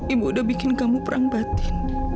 ibu udah bikin kamu perang batin